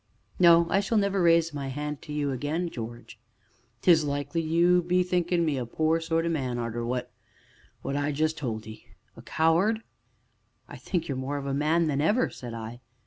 "No, I shall never raise my hand to you again, George." "'Tis likely you be thinkin' me a poor sort o' man, arter what what I just told 'ee a coward?" "I think you more of a man than ever," said I.